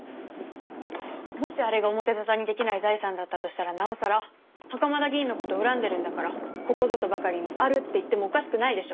もしあれが表沙汰にできない財産だったとしたらなおさら袴田議員の事恨んでるんだからここぞとばかりに「ある」って言ってもおかしくないでしょ？